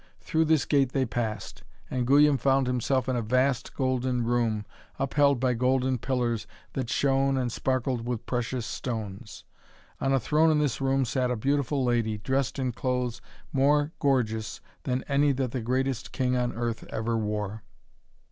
Through this gate they passed, and Guyon found himself in a vast golden room, upheld by golden pillars that shone and sparkled with precious stones. On a throne in this room sat a beautiful lady, dressed in clothes more gorgeous than any that the greatest king on earth ever wore.